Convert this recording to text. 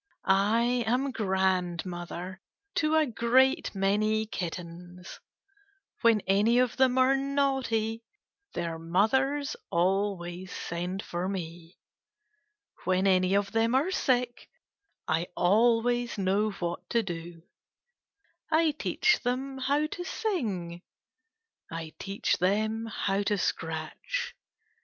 I am grandmother to a great many kittens. When any of them are naughty their mothers always send for me. When any of them are sick I always know what to do. I teach them how to sing. I teach them how to scratch.